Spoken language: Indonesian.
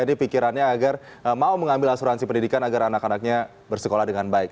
ini pikirannya agar mau mengambil asuransi pendidikan agar anak anaknya bersekolah dengan baik